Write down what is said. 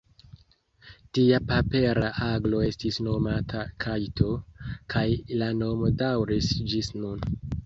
Tia papera aglo estis nomata kajto, kaj la nomo daŭris ĝis nun.